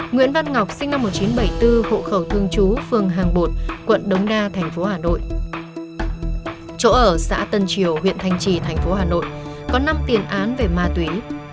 nguyễn văn ngọc sinh năm một nghìn chín trăm bảy mươi bốn hộ khẩu thương chú phường hàng bột quận đống đa thành phố hà nội chỗ ở xã tân triều huyện thanh trì thành phố hà nội có năm tiền án về ma túy